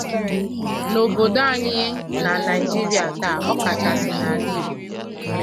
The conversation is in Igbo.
N’obodo anyị na Nigeria taa ọkachasi n’ala Igbo